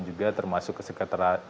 juga termasuk kesekretaran kesekretaran